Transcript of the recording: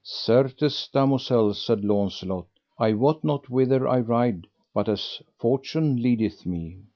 Certes, damosel, said Launcelot, I wot not whither I ride but as fortune leadeth me.